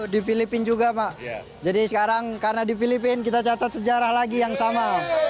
seribu sembilan ratus sembilan puluh satu di filipina juga mas jadi sekarang karena di filipina kita catat sejarah lagi yang sama